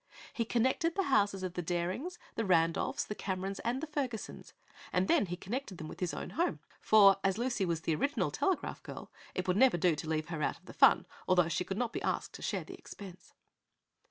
He connected the houses of the Darings, the Randolphs, the Camerons and the Fergusons, and then he connected them with his own home. For, as Lucy was the original telegraph girl, it would never do to leave her out of the fun, although she could not be asked to share the expense.